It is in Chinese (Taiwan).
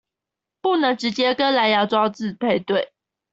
不能直接跟藍芽裝置配對